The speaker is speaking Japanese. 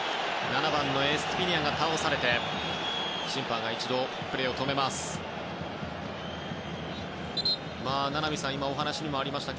７番のエストゥピニャンが倒されて審判が一度プレーを止めました。